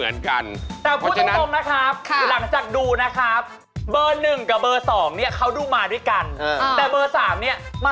ยิ่งสั่นยิ่งสั่นเลยอ่ะอันนี้ครับน้องทุกคนพร้อมกันเลยครับ